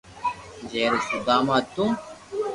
جي رو سودھا ما ھتو